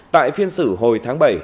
nói về phiên xử hồi tháng bảy